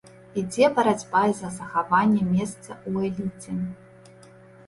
Ідзе барацьба і за захаванне месца ў эліце.